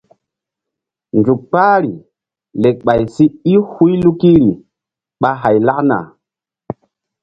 Nzuk kpahri lekɓay si i huy lukiri ɓa hay lakna.